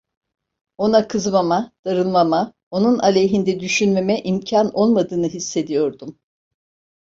Ona kızmama, darılmama, onun aleyhinde düşünmeme imkân olmadığını hissediyordum.